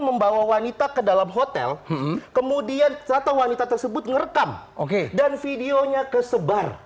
membawa wanita ke dalam hotel kemudian satu wanita tersebut ngerekam oke dan videonya kesebar